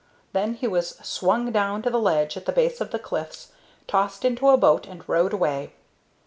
Then he was swung down to the ledge at the base of the cliffs, tossed into a boat, and rowed away.